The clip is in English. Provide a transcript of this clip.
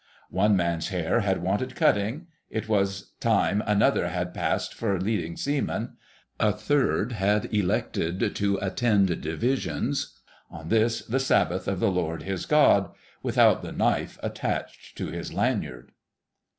One man's hair had wanted cutting; it was time another had passed for Leading Seaman.... A third had elected to attend Divisions—on this the Sabbath of the Lord his God—without the knife attached to his lanyard.